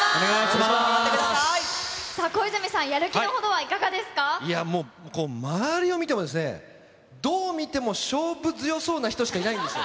小泉さん、やる気のほどはいいやー、もう、こう、周りを見てもですね、どう見ても勝負強そうな人しかいないんですよ。